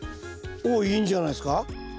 おおいいんじゃないですか。